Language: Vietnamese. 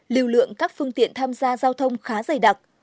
lưu lượng các phương tiện tham gia giao thông khá dày đặc